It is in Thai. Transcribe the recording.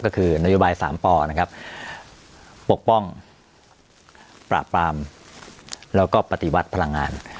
ก็คือนโยบาย๓ปนะครับปกป้องปราบปรามแล้วก็ปฏิวัติพลังงาน